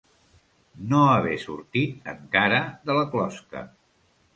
No haver sortit encara de la closca.